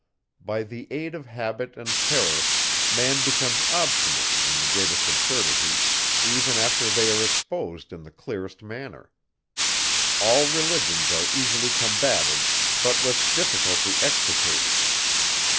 By the aid of habit and terror, man becomes obstinate in the greatest absurdities, even after they are exposed in the clearest manner. All religions are easily combated, but with difficulty extirpated.